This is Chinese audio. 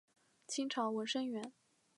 清朝文生员。